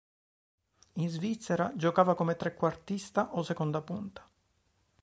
In Svizzera giocava come trequartista o seconda punta.